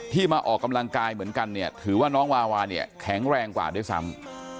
ที่มาออกกำลังกายเหมือนกันถือว่าน้องวาวาแข็งแรงกว่าด้วยซ้ำ